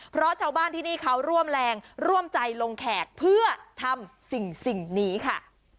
เพราะชาวบ้านที่นี่เขาร่วมแรงร่วมใจลงแขกเพื่อทำสิ่งนี้ค่ะ